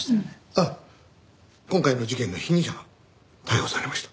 あっ今回の事件の被疑者が逮捕されました。